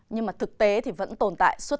nhưng mà thực tế vẫn không biết